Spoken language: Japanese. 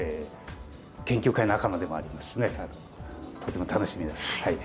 研究会仲間でもありますしねとても楽しみです。